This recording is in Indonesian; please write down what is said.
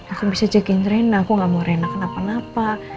aku bisa cek in rena aku gak mau rena kenapa napa